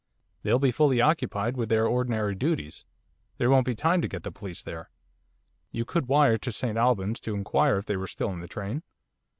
They'll be fully occupied with their ordinary duties. There won't be time to get the police there.' 'You could wire to St Albans to inquire if they were still in the train?